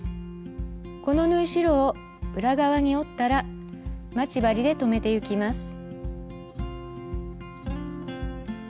この縫い代を裏側に折ったら待ち針で留めてゆきます。